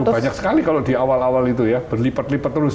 banyak sekali kalau di awal awal itu ya berlipat lipat terus